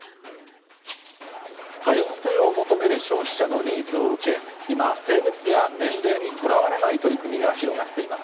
多様性を求める消費者のニーズを受け、今、性別や年齢にとらわれない取り組みが広がっています。